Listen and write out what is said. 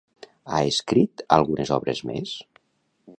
Ha escrit algunes obres més?